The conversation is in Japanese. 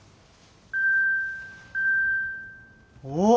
おっ！